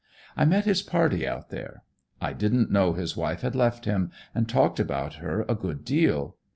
I met his party out there. I didn't know his wife had left him and talked about her a good deal.